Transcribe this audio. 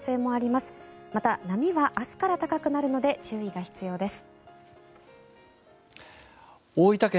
また、波は明日から高くなるので注意が必要です。